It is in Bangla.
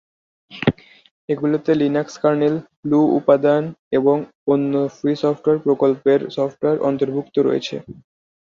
এগুলোতে লিনাক্স কার্নেল, গ্নু উপাদান এবং অন্য ফ্রি সফটওয়্যার প্রকল্পের সফটওয়্যার অন্তর্ভুক্ত রয়েছে।